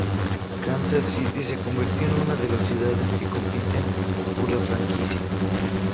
Kansas City se convirtió en una de las ciudades que compiten por la franquicia.